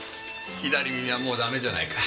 左耳はもう駄目じゃないか。